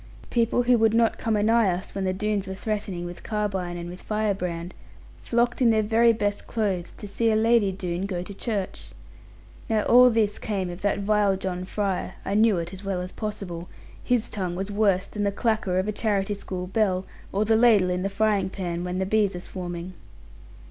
People who would not come anigh us, when the Doones were threatening with carbine and with fire brand, flocked in their very best clothes, to see a lady Doone go to church. Now all this came of that vile John Fry; I knew it as well as possible; his tongue was worse than the clacker of a charity school bell, or the ladle in the frying pan, when the bees are swarming.